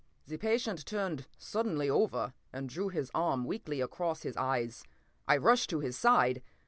p> "The patient turned suddenly over and drew his arm weakly across his eyes. I rushed to his side.